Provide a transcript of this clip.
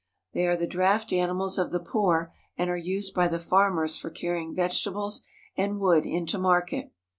They are the draft animals of the poor, and are used by the farmers for carrying vegetables and wood into market.